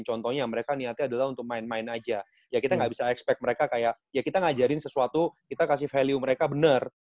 contohnya mereka niatnya adalah untuk main main aja ya kita nggak bisa expect mereka kayak ya kita ngajarin sesuatu kita kasih value mereka bener